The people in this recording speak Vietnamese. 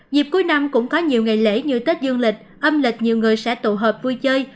dịp cuối năm cũng có nhiều ngày lễ như tết dương lịch âm lịch nhiều người sẽ tụ hợp vui chơi